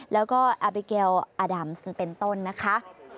แล้วก็อาบิเกลอดัมซ์เป็นต้นนะคะ